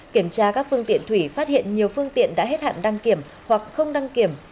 kiểm tra các phương tiện thủy phát hiện nhiều phương tiện đã hết hạn đăng kiểm hoặc không đăng kiểm